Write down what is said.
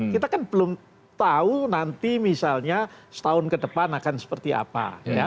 kita kan belum tahu nanti misalnya setahun ke depan akan seperti apa